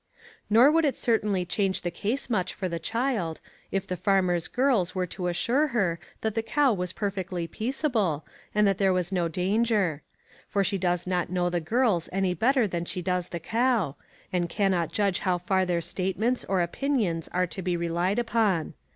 Nor would it certainly change the case much for the child, if the farmer's girls were to assure her that the cow was perfectly peaceable, and that there was no danger; for she does not know the girls any better than she does the cow, and can not judge how far their statements or opinions are to be relied upon.